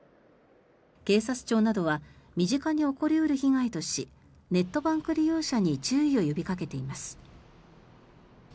警察庁などは身近に起こり得る被害としネットバンク利用者に注意を呼びかけています。